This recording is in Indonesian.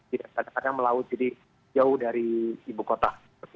tidak kadang kadang melaut jadi jauh dari ibu kota